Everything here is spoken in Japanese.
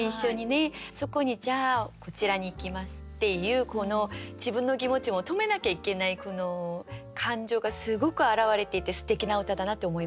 そこに「じゃあこちらに行きます」っていうこの自分の気持ちも止めなきゃいけないこの感情がすごく表れていてすてきな歌だなって思いました。